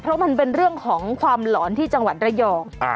เพราะมันเป็นเรื่องของความหลอนที่จังหวัดระยอง